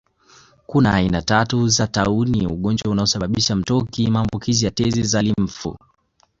kuna aina tatu za tauni ugonjwa unaosababisha mtoki maambukizi ya tezi za limfu